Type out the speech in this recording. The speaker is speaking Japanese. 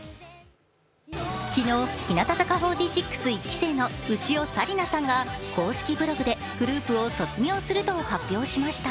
昨日、日向坂４６一期生の潮紗理菜さんが公式ブログでグループを卒業すると発表しました。